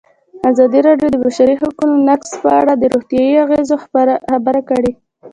ازادي راډیو د د بشري حقونو نقض په اړه د روغتیایي اغېزو خبره کړې.